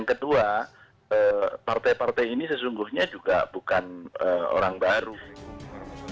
kedua partai partai ini sesungguhnya juga bukan orang baru